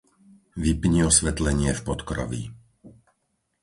Vypni osvetlenie v podkroví.